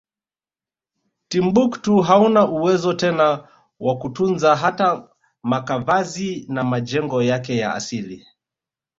Timbuktu hauna uwezo tena wakutunza hata makavazi na majengo yake ya asili